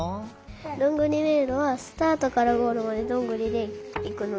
どんぐりめいろはスタートからゴールまでどんぐりでいくのね。